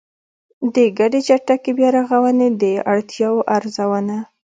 د ګډې چټکې بيا رغونې د اړتیاوو ارزونه